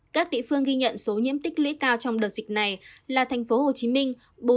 các địa phương ghi nhận số nhiễm tích lũy cao trong đợt dịch này là thành phố hồ chí minh